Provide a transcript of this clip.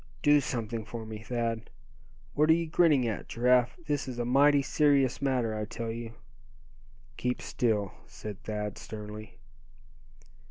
Do something for me, Thad; what are you grinning at, Giraffe? This is a mighty serious matter, I tell you." "Keep still!" said Thad, sternly.